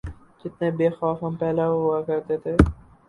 جتنے بے خوف ہم پہلے ہوا کرتے تھے۔